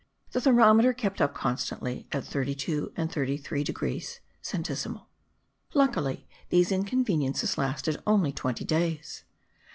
The thermometer kept up constantly at 32 and 33 degrees (centesimal.) Luckily these inconveniences lasted only twenty days.